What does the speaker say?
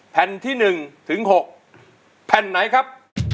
แผ่นที่๑ถึง๖แผ่นไหนครับ